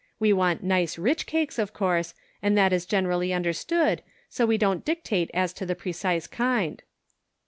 We want nice rich cakes, of course, and that is gene rally understood, so we don't dictate as to the precise kind."